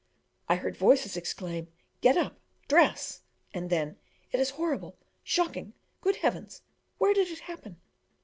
I heard voices exclaim, "Get up, dress!" and then, "It is horrible shocking good heavens? where did it happen?"